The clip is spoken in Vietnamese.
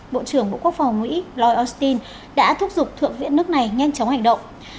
bộ trưởng bộ quốc phòng mỹ lloyd austin đã thúc giục thượng viện nước này nhanh chóng hành động